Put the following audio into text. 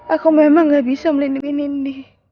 aku memang gak bisa melindungi nindi